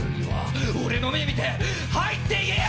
はい。